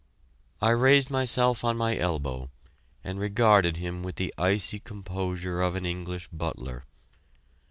I raised myself on my elbow, and regarded him with the icy composure of an English butler.